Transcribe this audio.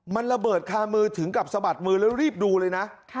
มันระเบิดคามือถึงกับสะบัดมือแล้วรีบดูเลยนะ